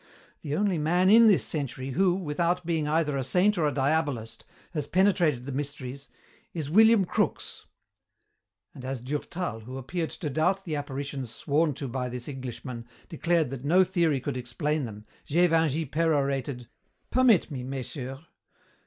The only man in this century who, without being either a saint or a diabolist, has penetrated the mysteries, is William Crookes." And as Durtal, who appeared to doubt the apparitions sworn to by this Englishman, declared that no theory could explain them, Gévingey perorated, "Permit me, messieurs.